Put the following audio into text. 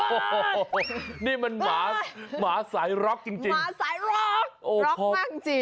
โอ้โหนี่มันหมาหมาสายร็อกจริงหมาสายร็อกร็อกมากจริง